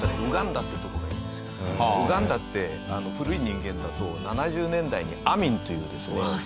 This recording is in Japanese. ウガンダって古い人間だと７０年代にアミンというですね